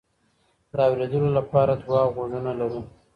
د اوریدلو لپاره دوه غوږونه لرو.